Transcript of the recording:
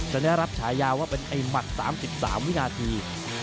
จะได้รับฉายาว่าเป็นไอ้หมัด๓๓วินาที